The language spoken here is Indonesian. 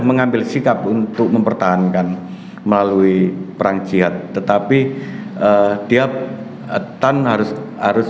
mengambil sikap untuk mempertahankan melalui perang jihad tetapi dia tan harus harus